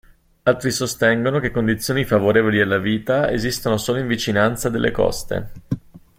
Altri sostengono che condizioni favorevoli alla vita esistono solo in vicinanza delle coste.